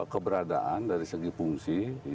keberadaan dari segi fungsi